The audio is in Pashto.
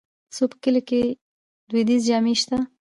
خو په کلیو کې دودیزې جامې شته.